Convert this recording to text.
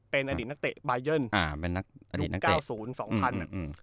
เป็นอดีตนักเตะอ่าเป็นนักอดีตนักเตะสองพันอืมอืม